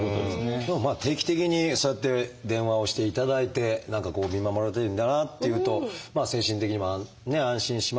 でもまあ定期的にそうやって電話をしていただいて何かこう見守られてるんだなっていうと精神的にも安心しますし。